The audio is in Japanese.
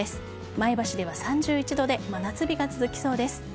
前橋では３１度で真夏日が続きそうです。